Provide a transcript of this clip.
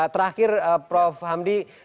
terakhir prof hamdi